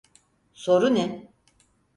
Soru ne?